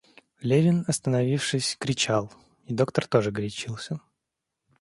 Левин, остановившись, кричал, и доктор тоже горячился.